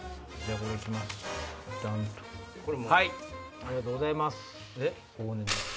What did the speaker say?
ありがとうございます。